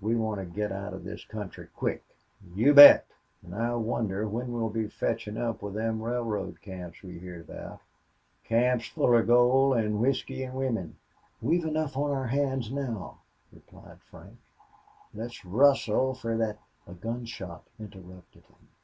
"We want to git out of this country quick." "You bet! An' I wonder when we'll be fetchin' up with them railroad camps we heerd about... Camps full of gold an' whisky an' wimmen!" "We've enough on our hands now," replied Frank. "Let's rustle fer thet " A gun shot interrupted him.